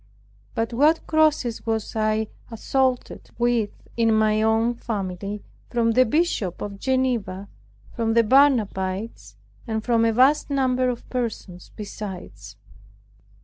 But what crosses was I assaulted with in my own family, from the Bishop of Geneva, from the Barnabites, and from a vast number of persons besides!